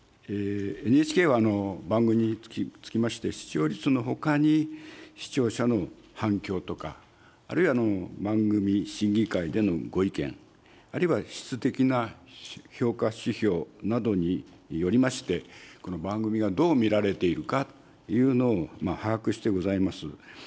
ＮＨＫは番組につきまして、視聴率のほかに、視聴者の反響とか、あるいは番組審議会でのご意見、あるいは質的な評価指標などによりまして、番組がどう見られているかというのを把握してございます。